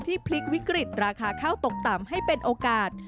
พลิกวิกฤตราคาข้าวตกต่ำให้เป็นโอกาส